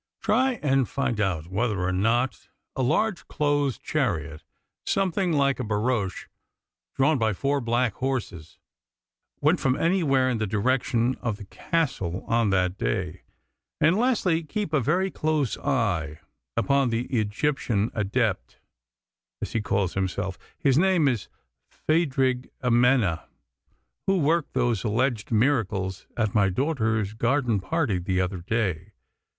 Try and find out whether or not a large closed chariot something like a barouche, drawn by four black horses, went from anywhere in the direction of the Castle on that day. And lastly, keep a very close eye upon the Egyptian Adept, as he calls himself his name is Phadrig Amena who worked those alleged miracles at my daughter's garden party the other day.